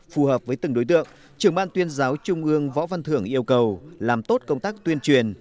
phù hợp với từng đối tượng trưởng ban tuyên giáo trung ương võ văn thưởng yêu cầu làm tốt công tác tuyên truyền